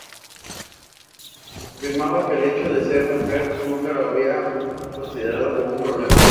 Afirmaba que el hecho de ser mujer nunca lo había considerado como un problema.